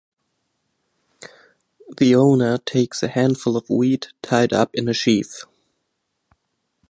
The owner takes a handful of wheat tied up in a sheaf.